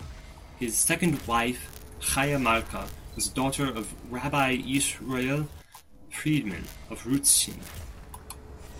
His second wife Chaya Malka was a daughter of Rabbi Yisroel Friedman of Ruzhin.